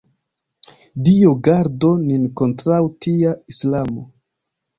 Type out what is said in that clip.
Dio gardu nin kontraŭ tia islamo!